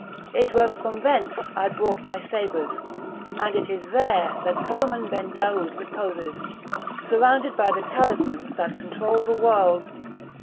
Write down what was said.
It was from thence I brought my sabres, and it is there that Soliman Ben Daoud reposes, surrounded by the talismans that control the world."